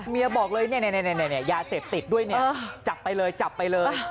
เมียบอกเลยเนี่ยยาเสพติดด้วยเนี่ยจับไปเลย